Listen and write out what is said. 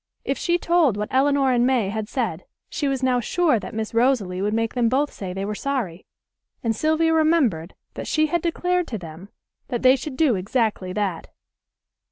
If she told what Elinor and May had said she was now sure that Miss Rosalie would make them both say they were sorry; and Sylvia remembered that she had declared to them that they should do exactly that.